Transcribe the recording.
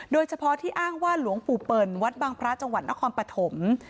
โดยเฉพาะที่อ้างว่าหลวงปู่เปิ่นวัดบางพระจังหวัดนครปฐม